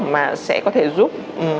mà sẽ có thể giúp